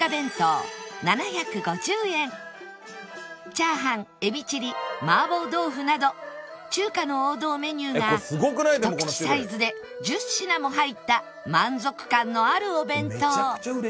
炒飯エビチリ麻婆豆腐など中華の王道メニューが一口サイズで１０品も入った満足感のあるお弁当